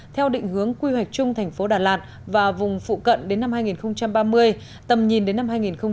theo định hướng quy hoạch chung thành phố đà lạt và vùng phụ cận đến năm hai nghìn ba mươi tầm nhìn đến năm hai nghìn năm mươi